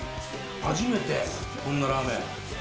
初めて、こんなラーメン。